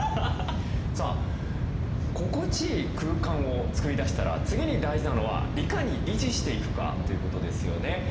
さあ心地いい空間を作り出したら次に大事なのはいかに維持していくかということですよね。